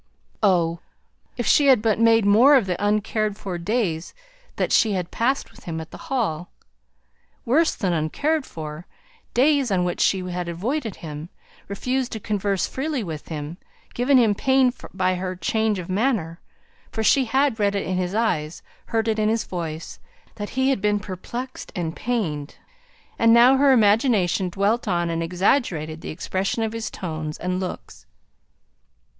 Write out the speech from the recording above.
Oh! if she had but made more of the uncared for days that she had passed with him at the Hall! Worse than uncared for; days on which she had avoided him; refused to converse freely with him; given him pain by her change of manner; for she had read in his eyes, heard in his voice, that he had been perplexed and pained, and now her imagination dwelt on and exaggerated the expression of his tones and looks.